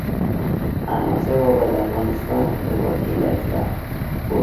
احمدشاه بابا به د افغانستان خپلواکي له زړه غوښتله.